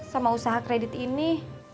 sama usaha kredit ini